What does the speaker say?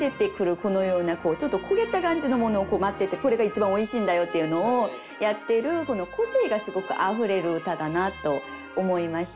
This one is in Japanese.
このようなちょっと焦げた感じのものを待っててこれが一番おいしいんだよっていうのをやってる個性がすごくあふれる歌だなと思いました。